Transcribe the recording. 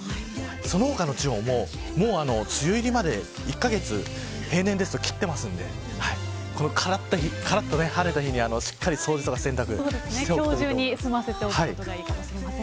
その他の地方も梅雨入りまで、１カ月平年ですと、切っていますのでからっと晴れた日にしっかり掃除とか洗濯をしておくといいと思います。